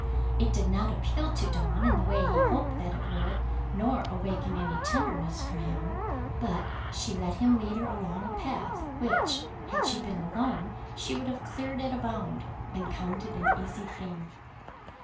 It did not appeal to Dawn in the way he hoped that it would, nor awaken any tenderness for him, but she let him lead her along a path which, had she been alone, she would have cleared at a bound, and counted an easy thing.